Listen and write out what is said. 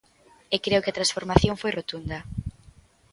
E creo que a transformación foi rotunda.